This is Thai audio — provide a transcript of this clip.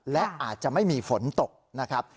และอาจจะไม่มีฝนตกนะครับ